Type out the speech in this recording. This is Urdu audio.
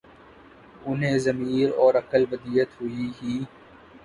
انہیں ضمیر اور عقل ودیعت ہوئی ہی